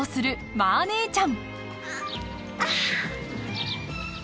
「マー姉ちゃん」。